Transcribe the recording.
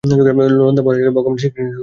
নন্দ মহারাজ হলেন ভগবান শ্রীকৃষ্ণের পিতা।